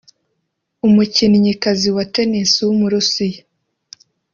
umukinnyikazi wa Tennis w’umurusiya